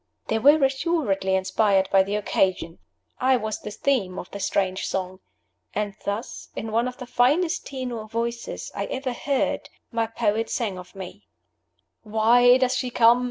They were assuredly inspired by the occasion; I was the theme of the strange song. And thus in one of the finest tenor voices I ever heard my poet sang of me: "Why does she come?